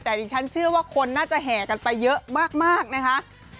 แต่ดิฉันเชื่อว่าคนน่าจะแห่กันไปเยอะมากนะคะ